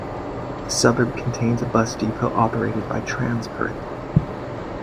The suburb contains a bus depot operated by TransPerth.